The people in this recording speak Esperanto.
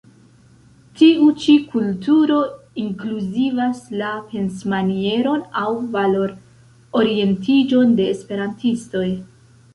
Tiu ĉi kulturo inkluzivas la pensmanieron aŭ valor-orientiĝon de esperantistoj.